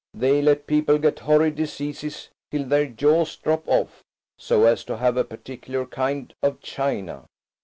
They let people get horrid diseases, till their jaws drop off, so as to have a particular kind of china.